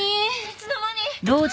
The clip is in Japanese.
いつの間に？